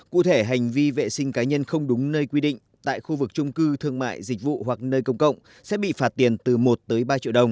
cụ thể hành vi vệ sinh cá nhân không đúng nơi quy định tại khu vực trung cư thương mại dịch vụ hoặc nơi công cộng sẽ bị phạt tiền từ một tới ba triệu đồng